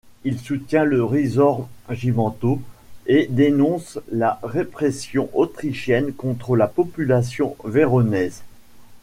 Il soutient le Risorgimento et dénonce la répression autrichienne contre la population véronaise.